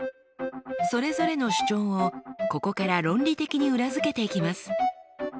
それぞれの主張をここから論理的に裏付けていきます。